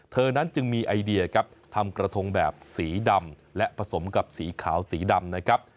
เธอนั้นจึงมีไอเดียครับทำกระทงแบบสีดำและผสมกับสีขาวสีดำนะครับ